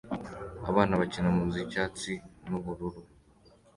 Abana bakina munzu yicyatsi nubururu